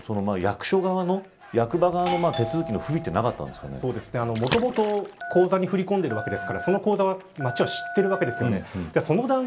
それで判明した後の役所側の手続きの不備はもともと口座に振り込んでいるわけですからその口座は町は知っているわけです。